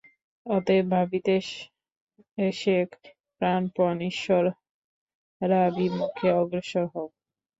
অতএব ভাবিতে শেখ, প্রাণপণ ঈশ্বরাভিমুখে অগ্রসর হও।